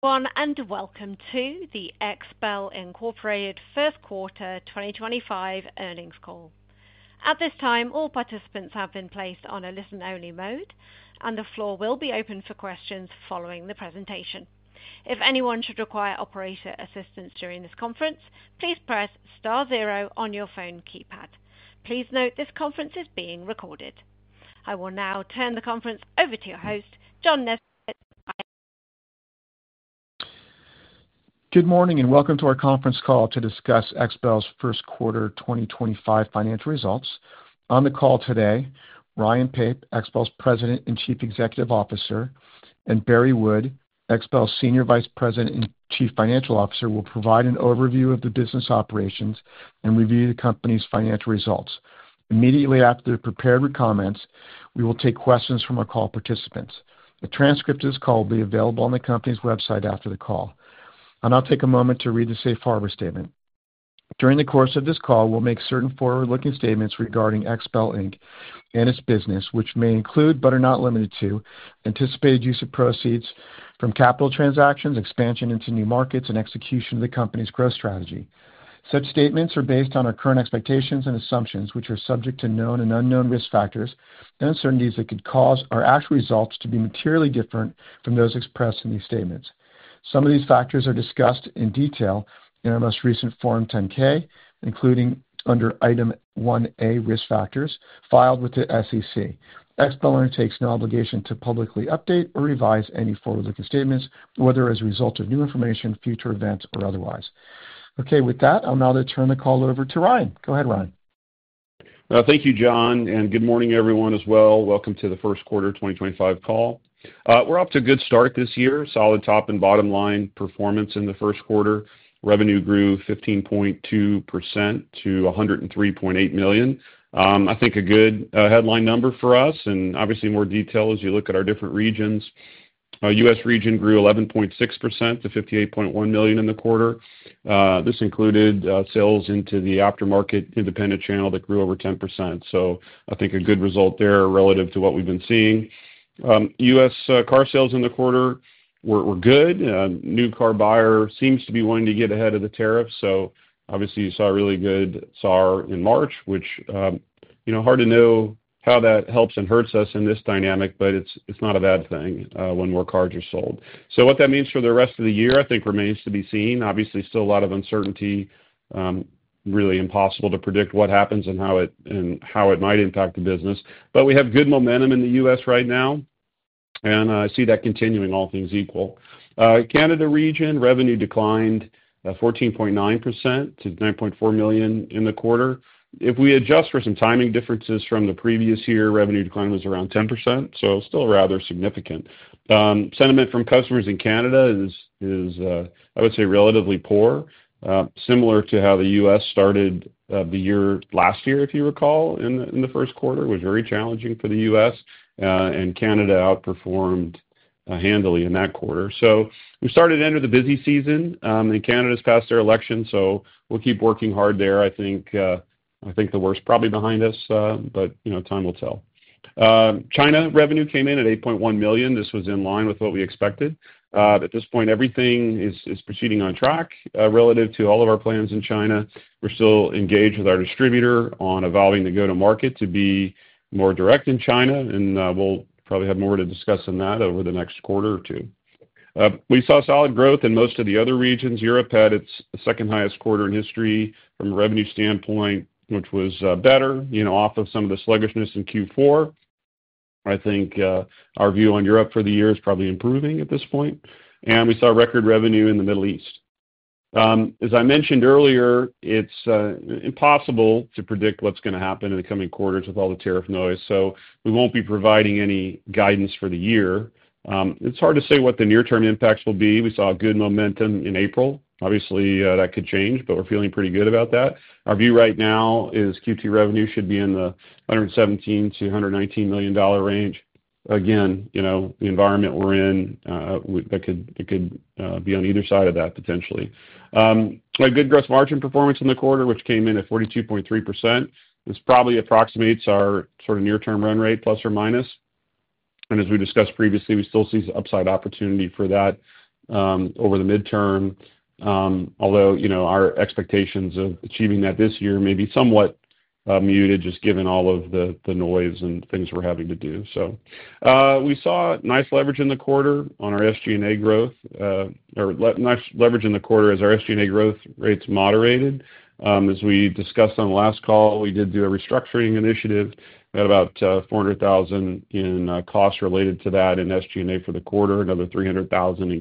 Everyone, and welcome to the XPEL first quarter 2025 earnings call. At this time, all participants have been placed on a listen-only mode, and the floor will be open for questions following the presentation. If anyone should require operator assistance during this conference, please press star zero on your phone keypad. Please note this conference is being recorded. I will now turn the conference over to your host, John Nesbett. Good morning and welcome to our conference call to discuss XPEL's first quarter 2025 financial results. On the call today, Ryan Pape, XPEL's President and Chief Executive Officer, and Barry Wood, XPEL's Senior Vice President and Chief Financial Officer, will provide an overview of the business operations and review the company's financial results. Immediately after they're prepared with comments, we will take questions from our call participants. A transcript of this call will be available on the company's website after the call. I'll now take a moment to read the Safe Harbor Statement. During the course of this call, we'll make certain forward-looking statements regarding XPEL and its business, which may include but are not limited to anticipated use of proceeds from capital transactions, expansion into new markets, and execution of the company's growth strategy. Such statements are based on our current expectations and assumptions, which are subject to known and unknown risk factors and uncertainties that could cause our actual results to be materially different from those expressed in these statements. Some of these factors are discussed in detail in our most recent Form 10-K, including under item 1A, risk factors, filed with the SEC. XPEL undertakes no obligation to publicly update or revise any forward-looking statements, whether as a result of new information, future events, or otherwise. Okay, with that, I'll now turn the call over to Ryan. Go ahead, Ryan. Thank you, John, and good morning, everyone, as well. Welcome to the first quarter 2025 call. We're off to a good start this year. Solid top and bottom line performance in the first quarter. Revenue grew 15.2% to $103.8 million. I think a good headline number for us, and obviously more detail as you look at our different regions. U.S. region grew 11.6% to $58.1 million in the quarter. This included sales into the aftermarket independent channel that grew over 10%. I think a good result there relative to what we've been seeing. U.S. car sales in the quarter were good. New car buyer seems to be wanting to get ahead of the tariffs. Obviously, you saw a really good SAAR in March, which, you know, hard to know how that helps and hurts us in this dynamic, but it's not a bad thing when more cars are sold. What that means for the rest of the year, I think, remains to be seen. Obviously, still a lot of uncertainty. Really impossible to predict what happens and how it might impact the business. We have good momentum in the U.S. right now, and I see that continuing, all things equal. Canada region revenue declined 14.9% to $9.4 million in the quarter. If we adjust for some timing differences from the previous year, revenue decline was around 10%, so still rather significant. Sentiment from customers in Canada is, I would say, relatively poor, similar to how the U.S. started the year last year, if you recall, in the first quarter. It was very challenging for the U.S., and Canada outperformed handily in that quarter. We started into the busy season, and Canada has passed their election, so we will keep working hard there. I think the worst is probably behind us, but time will tell. China revenue came in at $8.1 million. This was in line with what we expected. At this point, everything is proceeding on track relative to all of our plans in China. We are still engaged with our distributor on evolving the go-to-market to be more direct in China, and we will probably have more to discuss than that over the next quarter or two. We saw solid growth in most of the other regions. Europe had its second highest quarter in history from a revenue standpoint, which was better, you know, off of some of the sluggishness in Q4. I think our view on Europe for the year is probably improving at this point. We saw record revenue in the Middle East. As I mentioned earlier, it's impossible to predict what's going to happen in the coming quarters with all the tariff noise, so we won't be providing any guidance for the year. It's hard to say what the near-term impacts will be. We saw good momentum in April. Obviously, that could change, but we're feeling pretty good about that. Our view right now is Q2 revenue should be in the $117 million-$119 million range. Again, you know, the environment we're in, it could be on either side of that, potentially. A good gross margin performance in the quarter, which came in at 42.3%, this probably approximates our sort of near-term run rate, plus or minus. As we discussed previously, we still see upside opportunity for that over the midterm, although, you know, our expectations of achieving that this year may be somewhat muted just given all of the noise and things we're having to do. We saw nice leverage in the quarter on our SG&A growth, or nice leverage in the quarter as our SG&A growth rates moderated. As we discussed on the last call, we did do a restructuring initiative. We had about $400,000 in costs related to that in SG&A for the quarter, another $300,000 in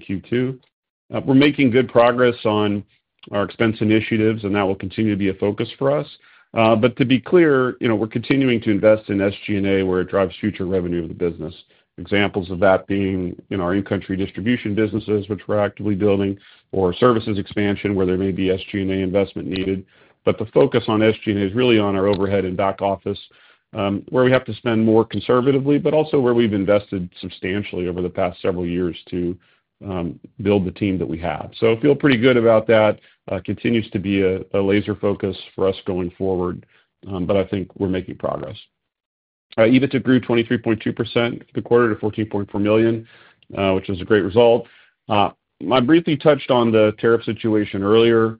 Q2. We're making good progress on our expense initiatives, and that will continue to be a focus for us. To be clear, you know, we're continuing to invest in SG&A where it drives future revenue of the business. Examples of that being, you know, our in-country distribution businesses, which we're actively building, or services expansion where there may be SG&A investment needed. The focus on SG&A is really on our overhead and back office, where we have to spend more conservatively, but also where we've invested substantially over the past several years to build the team that we have. I feel pretty good about that. Continues to be a laser focus for us going forward, but I think we're making progress. EBITDA grew 23.2% for the quarter to $14.4 million, which is a great result. I briefly touched on the tariff situation earlier.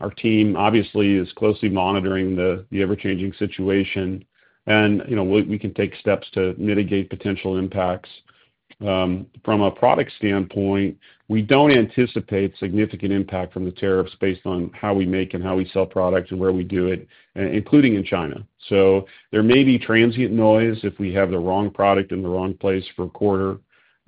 Our team, obviously, is closely monitoring the ever-changing situation, and, you know, we can take steps to mitigate potential impacts. From a product standpoint, we do not anticipate significant impact from the tariffs based on how we make and how we sell products and where we do it, including in China. There may be transient noise if we have the wrong product in the wrong place for a quarter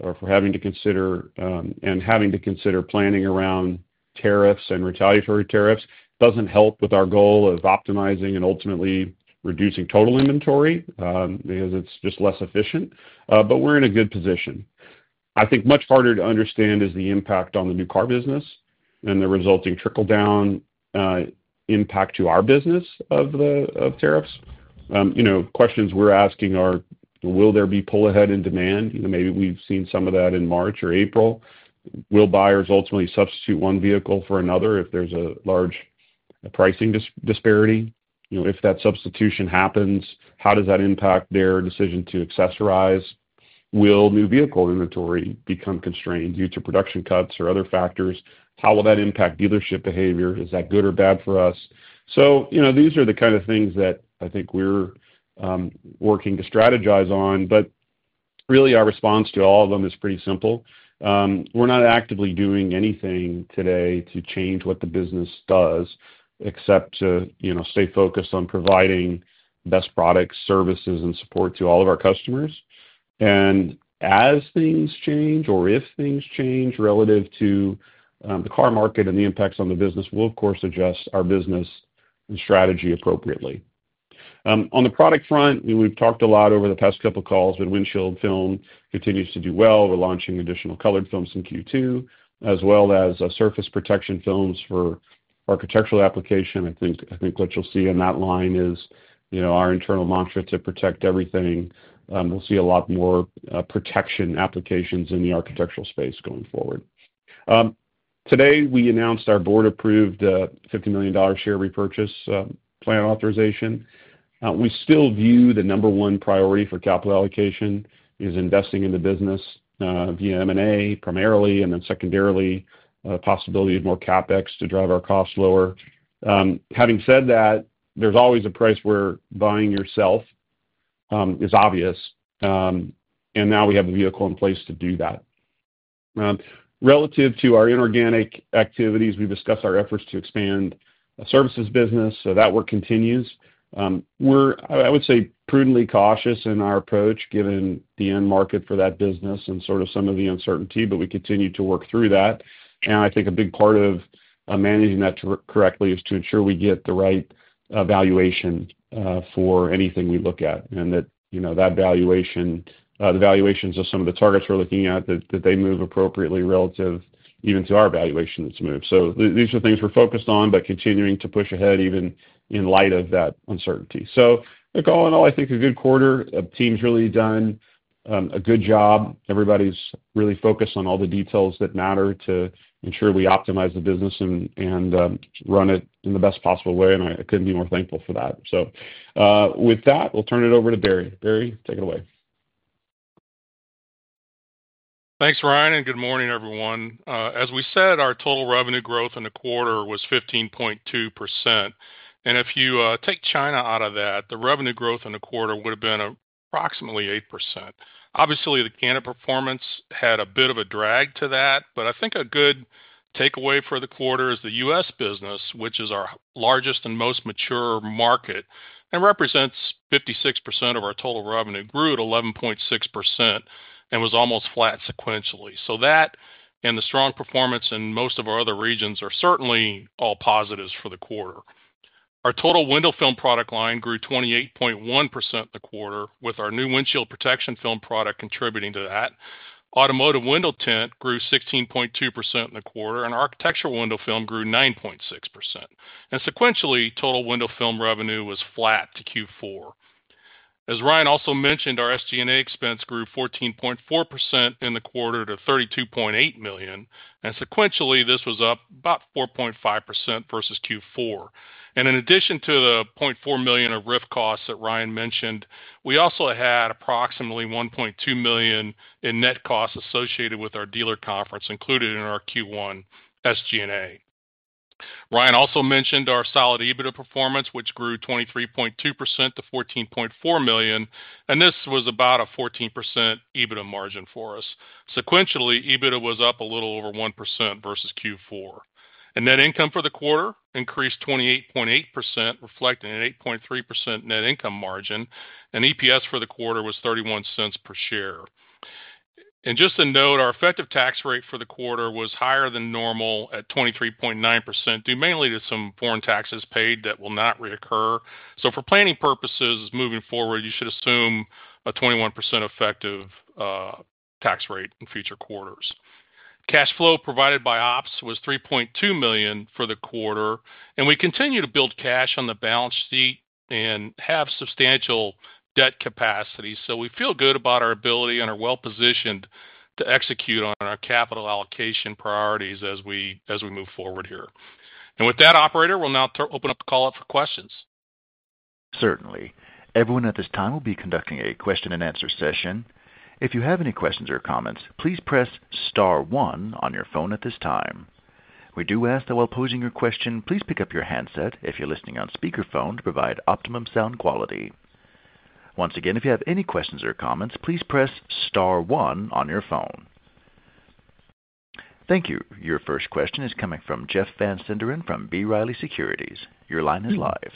or for having to consider and having to consider planning around tariffs and retaliatory tariffs. It does not help with our goal of optimizing and ultimately reducing total inventory because it is just less efficient, but we are in a good position. I think much harder to understand is the impact on the new car business and the resulting trickle-down impact to our business of tariffs. You know, questions we are asking are, will there be pull ahead in demand? You know, maybe we have seen some of that in March or April. Will buyers ultimately substitute one vehicle for another if there's a large pricing disparity? You know, if that substitution happens, how does that impact their decision to accessorize? Will new vehicle inventory become constrained due to production cuts or other factors? How will that impact dealership behavior? Is that good or bad for us? You know, these are the kind of things that I think we're working to strategize on, but really our response to all of them is pretty simple. We're not actively doing anything today to change what the business does, except to, you know, stay focused on providing the best products, services, and support to all of our customers. As things change, or if things change relative to the car market and the impacts on the business, we'll, of course, adjust our business and strategy appropriately. On the product front, we've talked a lot over the past couple of calls, but windshield film continues to do well. We're launching additional colored films in Q2, as well as surface protection films for architectural application. I think what you'll see in that line is, you know, our internal mantra to protect everything. We'll see a lot more protection applications in the architectural space going forward. Today, we announced our board-approved $50 million share repurchase plan authorization. We still view the number one priority for capital allocation as investing in the business via M&A primarily, and then secondarily, the possibility of more CapEx to drive our costs lower. Having said that, there's always a price where buying yourself is obvious, and now we have the vehicle in place to do that. Relative to our inorganic activities, we've discussed our efforts to expand a services business, so that work continues. We're, I would say, prudently cautious in our approach, given the end market for that business and sort of some of the uncertainty, but we continue to work through that. I think a big part of managing that correctly is to ensure we get the right valuation for anything we look at and that, you know, that valuation, the valuations of some of the targets we're looking at, that they move appropriately relative even to our valuation that's moved. These are things we're focused on, but continuing to push ahead even in light of that uncertainty. The call in all, I think, a good quarter. The team's really done a good job. Everybody's really focused on all the details that matter to ensure we optimize the business and run it in the best possible way, and I couldn't be more thankful for that. With that, we'll turn it over to Barry. Barry, take it away. Thanks, Ryan, and good morning, everyone. As we said, our total revenue growth in the quarter was 15.2%. If you take China out of that, the revenue growth in the quarter would have been approximately 8%. Obviously, the Canada performance had a bit of a drag to that, but I think a good takeaway for the quarter is the U.S. business, which is our largest and most mature market and represents 56% of our total revenue, grew at 11.6% and was almost flat sequentially. That and the strong performance in most of our other regions are certainly all positives for the quarter. Our total window film product line grew 28.1% the quarter, with our new windshield protection film product contributing to that. Automotive window tint grew 16.2% in the quarter, and architectural window film grew 9.6%. Sequentially, total window film revenue was flat to Q4. As Ryan also mentioned, our SG&A expense grew 14.4% in the quarter to $32.8 million, and sequentially, this was up about 4.5% versus Q4. In addition to the $0.4 million of RIF costs that Ryan mentioned, we also had approximately $1.2 million in net costs associated with our dealer conference included in our Q1 SG&A. Ryan also mentioned our solid EBITDA performance, which grew 23.2% to $14.4 million, and this was about a 14% EBITDA margin for us. Sequentially, EBITDA was up a little over 1% versus Q4. Net income for the quarter increased 28.8%, reflecting an 8.3% net income margin, and EPS for the quarter was $0.31 per share. Just to note, our effective tax rate for the quarter was higher than normal at 23.9%, due mainly to some foreign taxes paid that will not reoccur. For planning purposes moving forward, you should assume a 21% effective tax rate in future quarters. Cash flow provided by ops was $3.2 million for the quarter, and we continue to build cash on the balance sheet and have substantial debt capacity. We feel good about our ability and are well positioned to execute on our capital allocation priorities as we move forward here. With that, Operator, we'll now open up the call up for questions. Certainly. Everyone at this time will be conducting a question and answer session. If you have any questions or comments, please press star one on your phone at this time. We do ask that while posing your question, please pick up your handset if you're listening on speakerphone to provide optimum sound quality. Once again, if you have any questions or comments, please press star one on your phone. Thank you. Your first question is coming from Jeff Van Sinderen from B. Riley Securities. Your line is live.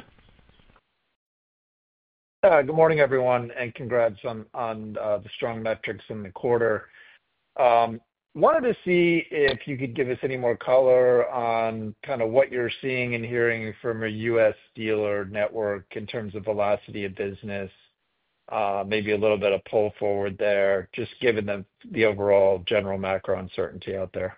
Good morning, everyone, and congrats on the strong metrics in the quarter. Wanted to see if you could give us any more color on kind of what you're seeing and hearing from a U.S. dealer network in terms of velocity of business, maybe a little bit of pull forward there, just given the overall general macro uncertainty out there.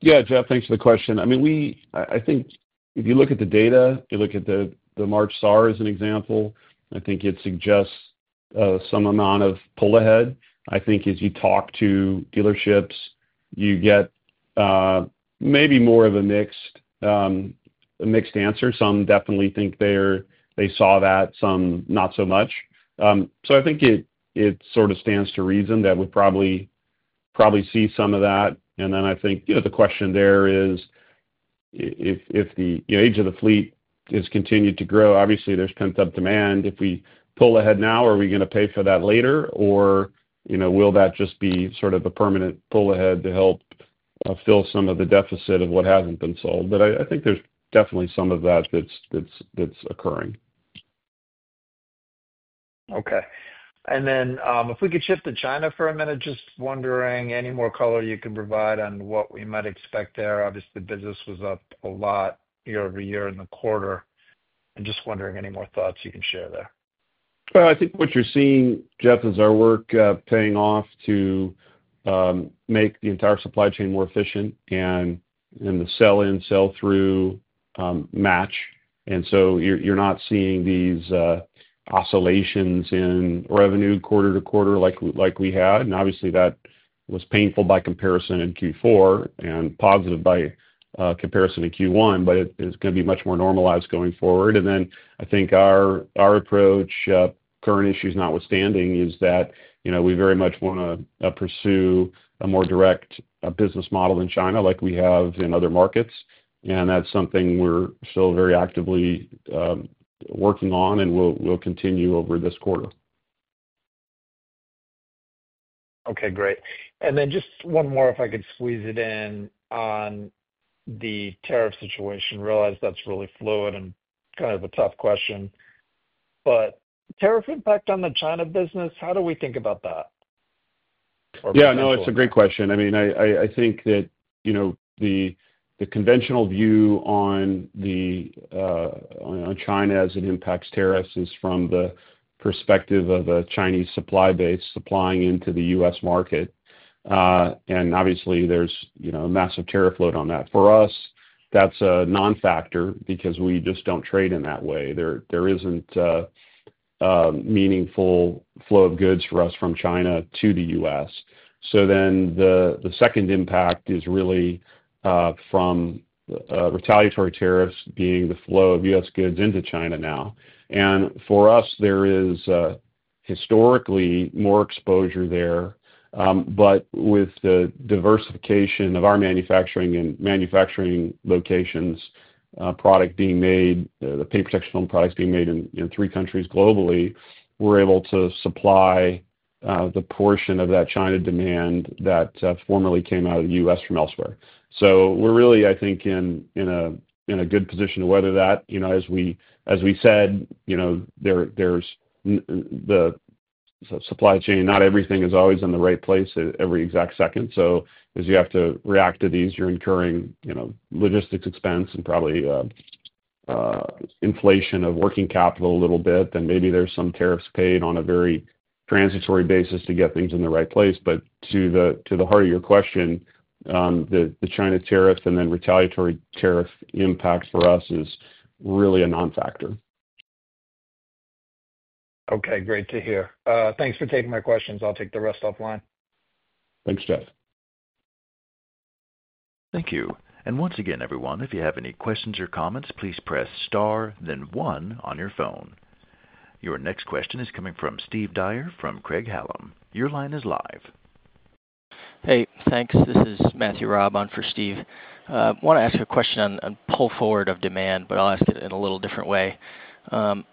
Yeah, Jeff, thanks for the question. I mean, I think if you look at the data, you look at the March SAAR as an example, I think it suggests some amount of pull ahead. I think as you talk to dealerships, you get maybe more of a mixed answer. Some definitely think they saw that, some not so much. I think it sort of stands to reason that we probably see some of that. I think, you know, the question there is if the age of the fleet has continued to grow, obviously there is pent-up demand. If we pull ahead now, are we going to pay for that later? You know, will that just be sort of a permanent pull ahead to help fill some of the deficit of what has not been sold? I think there is definitely some of that that is occurring. Okay. If we could shift to China for a minute, just wondering any more color you can provide on what we might expect there. Obviously, the business was up a lot year-over-year in the quarter. I am just wondering any more thoughts you can share there. I think what you're seeing, Jeff, is our work paying off to make the entire supply chain more efficient and the sell-in, sell-through match. You are not seeing these oscillations in revenue quarter to quarter like we had. Obviously, that was painful by comparison in Q4 and positive by comparison in Q1, but it is going to be much more normalized going forward. I think our approach, current issues notwithstanding, is that, you know, we very much want to pursue a more direct business model in China like we have in other markets. That is something we are still very actively working on and we will continue over this quarter. Okay, great. Just one more, if I could squeeze it in on the tariff situation. Realize that's really fluid and kind of a tough question, but tariff impact on the China business, how do we think about that? Yeah, no, it's a great question. I mean, I think that, you know, the conventional view on China as it impacts tariffs is from the perspective of a Chinese supply base supplying into the U.S. market. Obviously, there's, you know, a massive tariff load on that. For us, that's a non-factor because we just don't trade in that way. There isn't a meaningful flow of goods for us from China to the U.S. The second impact is really from retaliatory tariffs being the flow of U.S. goods into China now. For us, there is historically more exposure there, but with the diversification of our manufacturing and manufacturing locations, product being made, the paint protection film products being made in three countries globally, we're able to supply the portion of that China demand that formerly came out of the U.S. from elsewhere. We're really, I think, in a good position to weather that. You know, as we said, you know, there's the supply chain, not everything is always in the right place every exact second. As you have to react to these, you're incurring, you know, logistics expense and probably inflation of working capital a little bit, then maybe there's some tariffs paid on a very transitory basis to get things in the right place. To the heart of your question, the China tariffs and then retaliatory tariff impact for us is really a non-factor. Okay, great to hear. Thanks for taking my questions. I'll take the rest offline. Thanks, Jeff. Thank you. Once again, everyone, if you have any questions or comments, please press star, then one on your phone. Your next question is coming from Steve Dyer from Craig-Hallum. Your line is live. Hey, thanks. This is Matthew Raab on for Steve. I want to ask a question on pull forward of demand, but I'll ask it in a little different way. On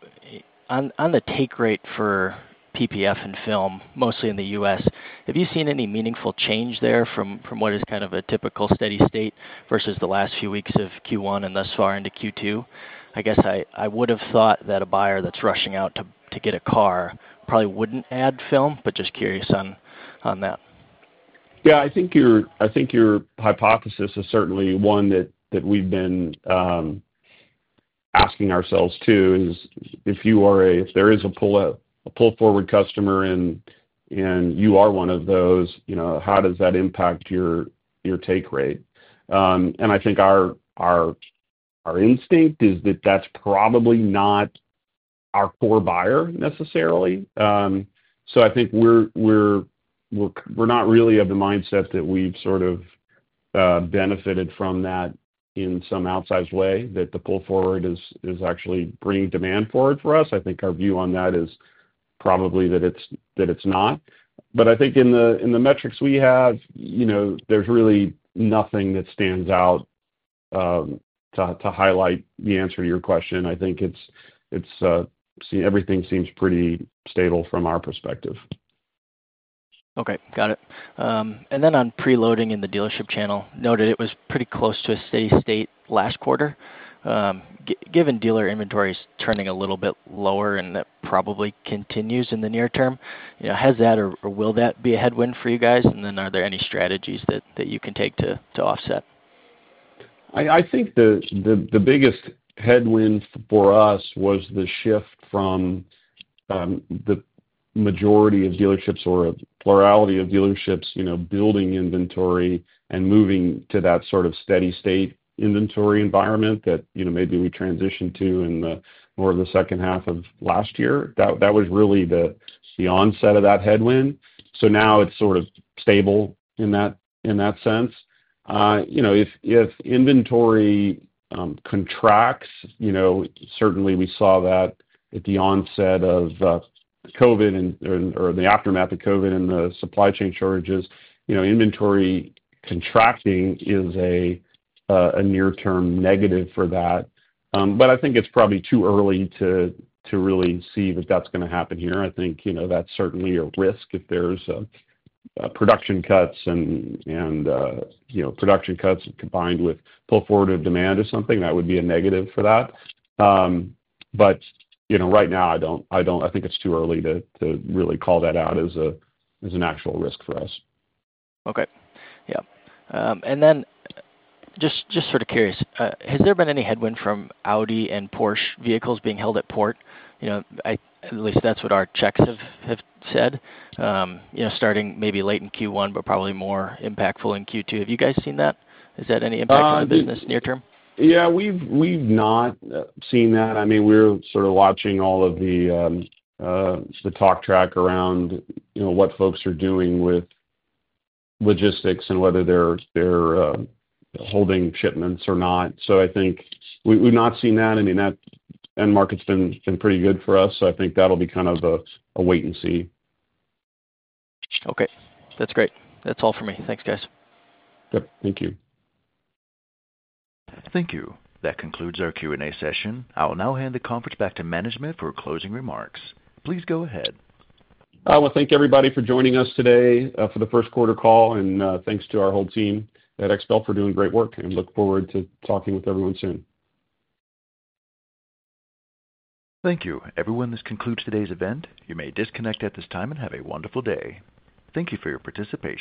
the take rate for PPF and film, mostly in the U.S., have you seen any meaningful change there from what is kind of a typical steady state versus the last few weeks of Q1 and thus far into Q2? I guess I would have thought that a buyer that's rushing out to get a car probably wouldn't add film, but just curious on that. Yeah, I think your hypothesis is certainly one that we've been asking ourselves too. If you are a, if there is a pull forward customer and you are one of those, you know, how does that impact your take rate? I think our instinct is that that's probably not our core buyer necessarily. I think we're not really of the mindset that we've sort of benefited from that in some outsized way, that the pull forward is actually bringing demand forward for us. I think our view on that is probably that it's not. I think in the metrics we have, you know, there's really nothing that stands out to highlight the answer to your question. I think everything seems pretty stable from our perspective. Okay, got it. On preloading in the dealership channel, noted it was pretty close to a steady state last quarter. Given dealer inventories turning a little bit lower and that probably continues in the near term, you know, has that or will that be a headwind for you guys? Are there any strategies that you can take to offset? I think the biggest headwind for us was the shift from the majority of dealerships or a plurality of dealerships, you know, building inventory and moving to that sort of steady state inventory environment that, you know, maybe we transitioned to in more of the second half of last year. That was really the onset of that headwind. Now it is sort of stable in that sense. You know, if inventory contracts, you know, certainly we saw that at the onset of COVID or the aftermath of COVID and the supply chain shortages, you know, inventory contracting is a near-term negative for that. I think it is probably too early to really see that that is going to happen here. I think, you know, that's certainly a risk if there's production cuts and, you know, production cuts combined with pull forward of demand or something, that would be a negative for that. You know, right now, I don't, I think it's too early to really call that out as an actual risk for us. Okay. Yeah. And then just sort of curious, has there been any headwind from Audi and Porsche vehicles being held at port? You know, at least that's what our checks have said, you know, starting maybe late in Q1, but probably more impactful in Q2. Have you guys seen that? Is that any impact on the business near term? Yeah, we've not seen that. I mean, we're sort of watching all of the talk track around, you know, what folks are doing with logistics and whether they're holding shipments or not. I think we've not seen that. I mean, that end market's been pretty good for us. I think that'll be kind of a wait and see. Okay. That's great. That's all for me. Thanks, guys. Yep. Thank you. Thank you. That concludes our Q&A session. I'll now hand the conference back to management for closing remarks. Please go ahead. I want to thank everybody for joining us today for the first quarter call. I want to thank our whole team at XPEL for doing great work. I look forward to talking with everyone soon. Thank you. Everyone, this concludes today's event. You may disconnect at this time and have a wonderful day. Thank you for your participation.